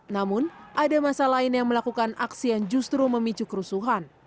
namun ada masa lain yang melakukan aksi yang justru memicu kerusuhan